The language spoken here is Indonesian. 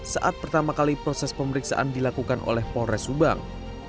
saat pertama kali proses pemeriksaan dilakukan oleh polres subang